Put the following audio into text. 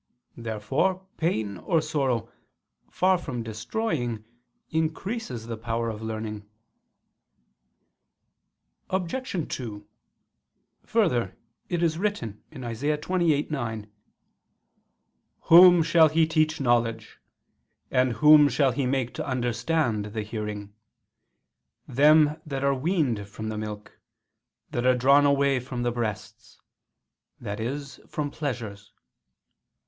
Therefore pain or sorrow, far from destroying, increases the power of learning. Obj. 2: Further, it is written (Isa. 28:9): "Whom shall He teach knowledge? And whom shall He make to understand the hearing? Them that are weaned from the milk, that are drawn away from the breasts," i.e. from pleasures.